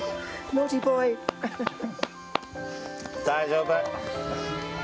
大丈夫。